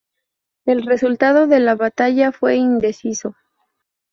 El resultado de la batalla fue indeciso.